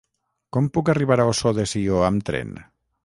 Com puc arribar a Ossó de Sió amb tren?